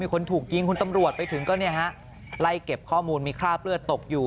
คนถูกยิงคุณตำรวจไปถึงก็ไล่เก็บข้อมูลมีคราบเลือดตกอยู่